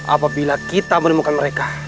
apabila kita menemukan mereka